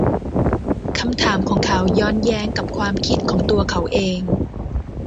คำถามของเขาย้อนแย้งกับความคิดของตัวเขาเอง